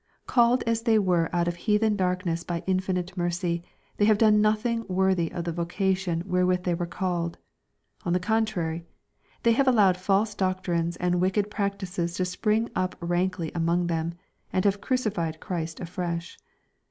Called as they were out of heathen darkness by infinite mercy, they have done nothiog worthy of the vocation wherewith they were called. On the contrary, they have allowed false doctrines and wicked practices to spring up rankly among them, and have crucified Christ afresh.